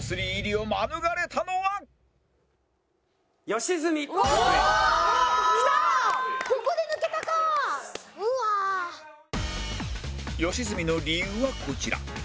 吉住の理由はこちら